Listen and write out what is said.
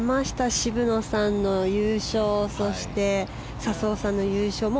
渋野さんの優勝そして、笹生さんの優勝も。